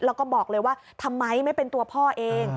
แล้วก็บอกเลยว่าทำไมไม่เป็นตัวพ่อเอง